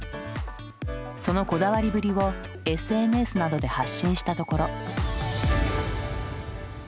そのこだわりぶりをＳＮＳなどで発信したところ。